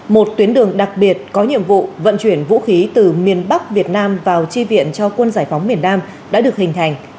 một tuyến đường đặc biệt có nhiệm vụ vận chuyển vũ khí từ miền bắc việt nam vào chi viện cho quân giải phóng miền nam đã được hình thành